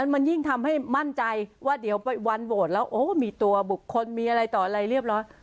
มันยิ่งทำให้มั่นใจว่าเดี๋ยววันโหวตแล้วมีตัวบุคคลมีอะไรต่ออะไรเรียบร้อย